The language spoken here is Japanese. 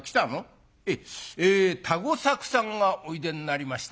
「ええ田吾作さんがおいでになりました」。